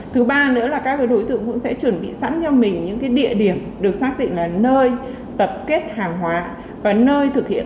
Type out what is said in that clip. thứ ba nữa là các đối tượng cũng sẽ chuẩn bị sẵn cho mình những địa điểm được xác định là nơi tập kết hàng hóa và nơi thực hiện